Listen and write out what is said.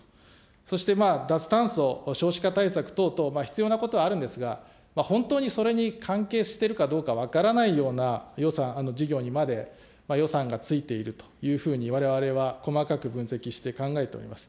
そして脱炭素、少子化対策等々、必要なことはあるんですが、本当にそれに関係しているかどうか分からないような予算、事業にまで予算がついているというふうに、われわれは細かく分析して考えております。